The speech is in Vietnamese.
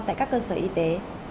tại các cơ sở y tế